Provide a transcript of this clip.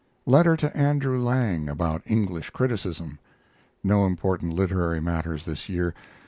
Letter to Andrew Lang about English Criticism. (No important literary matters this year.